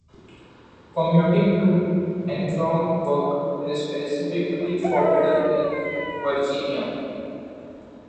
Commuting to and from work is specifically forbidden in Virginia.